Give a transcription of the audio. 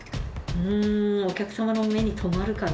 うーん、お客様の目に留まるかな？